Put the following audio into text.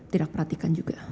tidak perhatikan juga